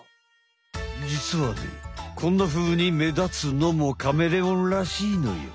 じつはねこんなふうにめだつのもカメレオンらしいのよ！